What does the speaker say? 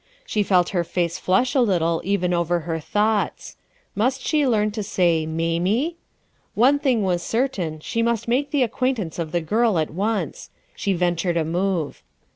She felt her face flush a little even 44 RUTH ERSKINE'S SOX over Iier thoughts, Must she loam to Say "Mamie"? One thing was certain: she must make the acquaintance of the girl at once. She ventured a move.